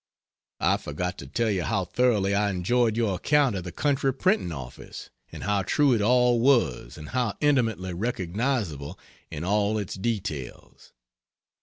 I forgot to tell you how thoroughly I enjoyed your account of the country printing office, and how true it all was and how intimately recognizable in all its details.